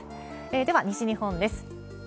では、西日本です。